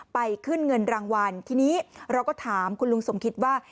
ไปขึ้นเงินรางวัลทีนี้เราก็ถามคุณลุงสมคิดว่า